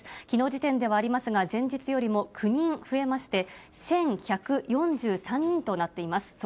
きのう時点ではありますが、前日よりも９人増えまして、１１４３人となっています。